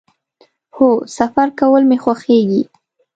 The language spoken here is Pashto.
هو، سفر کول می خوښیږي